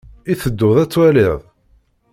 I tedduḍ ad twaliḍ?